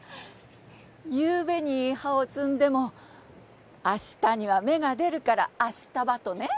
ゆうべに葉を摘んでもあしたには芽が出るからアシタバとね。